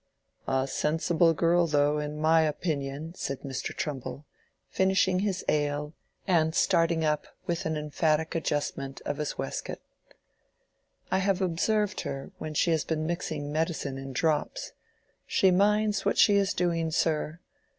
"A sensible girl though, in my opinion," said Mr. Trumbull, finishing his ale and starting up with an emphatic adjustment of his waistcoat. "I have observed her when she has been mixing medicine in drops. She minds what she is doing, sir.